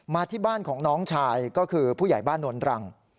ที่บ้านของน้องชายก็คือผู้ใหญ่บ้านนวลตรัง